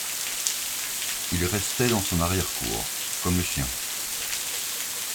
Il restait dans son arrière-cour, comme le chien.